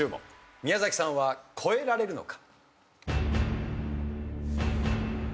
宮崎さんは越えられるのか？